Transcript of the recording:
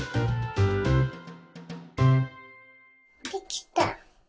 できた。